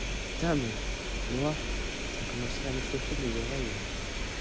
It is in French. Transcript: Dame ! moi, ça commençait à m’échauffer les oreilles…